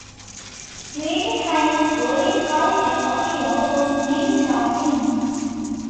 Libbey High School in Toledo, Ohio, was named after him.